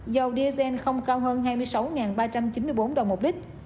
dầu diesel không cao hơn hai mươi sáu ba trăm chín mươi bốn đồng một lít